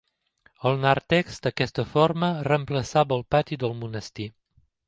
El nàrtex, d'aquesta forma reemplaçava al pati del monestir.